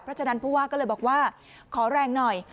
เพราะฉะนั้นผู้ว่าก็เลยบอกว่าขอแรงหน่อย